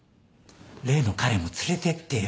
例の彼も連れてってよ。